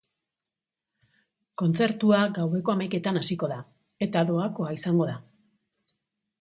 Kontzertua gaueko hamaiketan hasiko da, eta doakoa izango da.